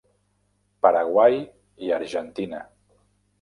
Paraguai i Argentina.